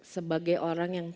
sebagai orang yang